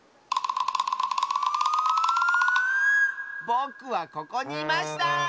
ぼくはここにいました！